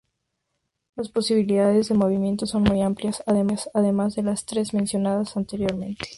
Las posibilidades de movimiento son muy amplias además de las tres mencionadas anteriormente.